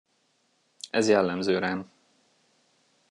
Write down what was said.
Ez jellemző rám.